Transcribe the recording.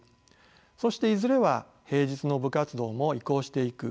そしていずれは平日の部活動も移行していく。